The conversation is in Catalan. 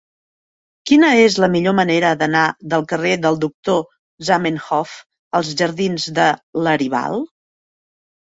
Quina és la millor manera d'anar del carrer del Doctor Zamenhof als jardins de Laribal?